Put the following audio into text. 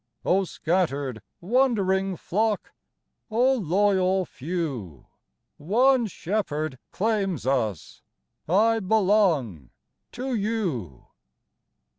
O scattered, wandering flock ! O loyal few ! One Shepherd claims us ! I belong to you